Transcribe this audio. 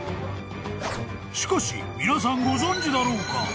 ［しかし皆さんご存じだろうか］